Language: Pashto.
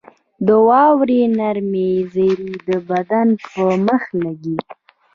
• د واورې نرمې ذرې د بدن پر مخ لګي.